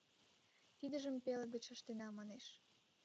— Тидыжым пеле гыч ыштена, — манеш.